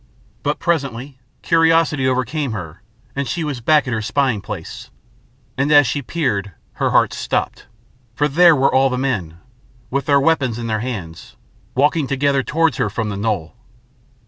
But presently curiosity overcame her and she was back at her spying place, and as she peered her heart stopped, for there were all the men, with their weapons in their hands, walking together towards her from the knoll.